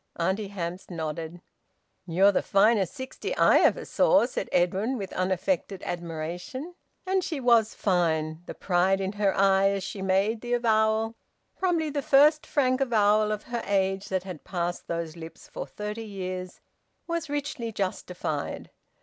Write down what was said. Auntie Hamps nodded. "You're the finest sixty I ever saw!" said Edwin, with unaffected admiration. And she was fine. The pride in her eye as she made the avowal probably the first frank avowal of her age that had passed those lips for thirty years was richly justified.